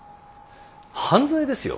犯罪ですよ